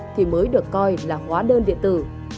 thì mới được coi là hóa đơn điện tử